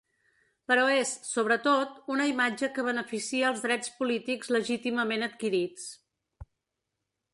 Però és, sobretot, una imatge que beneficia els drets polítics legítimament adquirits.